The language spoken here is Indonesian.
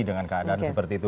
dengan keadaan seperti itu